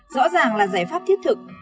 rõ ràng là giải pháp thiết thực